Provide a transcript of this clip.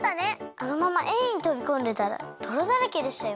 あのままＡにとびこんでたらどろだらけでしたよ！